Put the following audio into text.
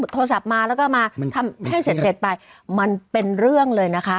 โทรศัพท์มาแล้วก็มาทำให้เสร็จไปมันเป็นเรื่องเลยนะคะ